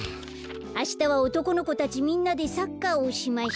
あしたは「おとこの子たちみんなでサッカーをしました」。